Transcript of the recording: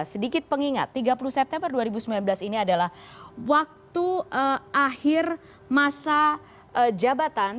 sedikit pengingat tiga puluh september dua ribu sembilan belas ini adalah waktu akhir masa jabatan